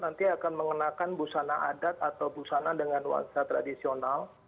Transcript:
nanti akan mengenakan busana adat atau busana dengan nuansa tradisional